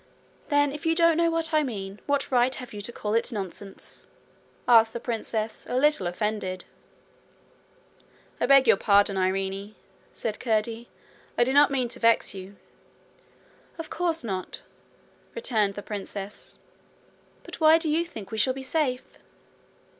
'Then if you don't know what I mean, what right have you to call it nonsense?' asked the princess, a little offended. 'I beg your pardon, Irene,' said Curdie; 'I did not mean to vex you.' 'Of course not,' returned the princess. 'But why do you think we shall be safe?'